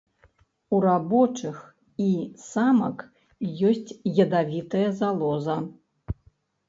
У рабочых і самак ёсць ядавітая залоза.